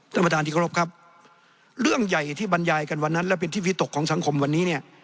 ท่านประธานที่เคารพครับเรื่องใหญ่ที่บรรยายกันวันนั้นและเป็นที่วิตกของสังคมวันนี้เนี่ย